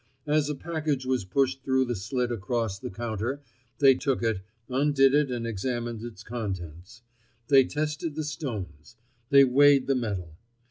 As a package was pushed through the slit across the counter they took it, undid it and examined its contents. They tested the stones. They weighed the metal.